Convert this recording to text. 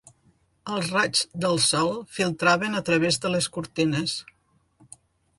Els raigs del sol filtraven a través de les cortines.